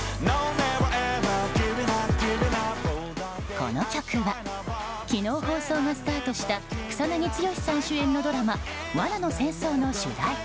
この曲は昨日放送がスタートした草なぎ剛さん主演のドラマ「罠の戦争」の主題歌。